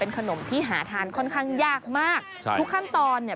ขนมที่หาทานค่อนข้างยากมากใช่ทุกขั้นตอนเนี่ย